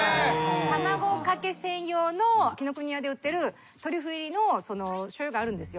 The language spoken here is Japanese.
卵かけ専用の紀ノ國屋で売ってるトリュフ入りのしょうゆがあるんですよ。